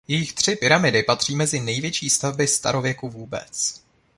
Jejich tři pyramidy patří mezi největší stavby starověku vůbec.